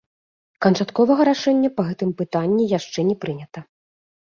Канчатковага рашэння па гэтым пытанні яшчэ не прынята.